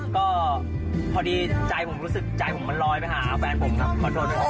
ก็พอดีใจผมรู้สึกใจผมมันลอยไปหาแฟนผมครับ